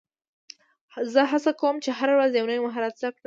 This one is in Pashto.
زه هڅه کوم، چي هره ورځ یو نوی مهارت زده کړم.